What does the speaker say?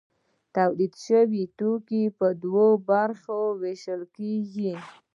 تولید شوي توکي په دوو برخو ویشل کیږي.